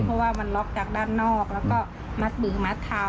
เพราะว่ามันล็อกจากด้านนอกแล้วก็มัดมือมัดเท้า